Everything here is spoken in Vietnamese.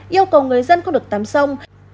yêu cầu người dân không được tắm sông